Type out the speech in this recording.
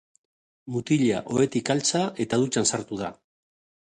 Mutila ohetik altxa eta dutxan sartu da.